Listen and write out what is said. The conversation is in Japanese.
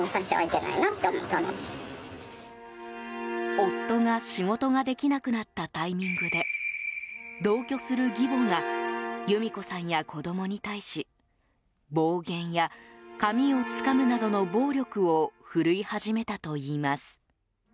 夫が仕事ができなくなったタイミングで同居する義母が由美子さんや子供に対し暴言や髪をつかむなどの暴力を振るい始めたといいます。